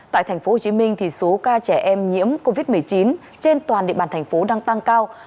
tại tp hcm số ca trẻ em nhiễm covid một mươi chín trên toàn địa bàn thành phố đang tăng cao